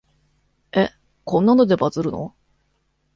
え、こんなのでバズるの？